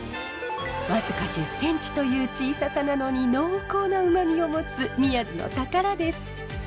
僅か１０センチという小ささなのに濃厚な旨味を持つ宮津の宝です。